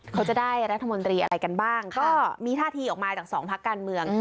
เขาจะได้รัฐมนตรีอะไรกันบ้างก็มีท่าทีออกมาจากสองพักการเมือง